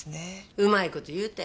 うまい事言うて。